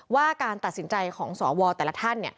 ว่าการตัดสินใจของสวแต่ละท่าน